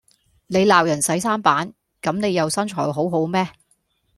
你鬧人洗衫板，咁你又身材好好咩？